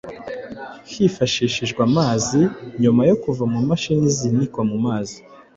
hifashishijwe amazi. Nyuma yo kuva mu mashini zinikwa mu mazi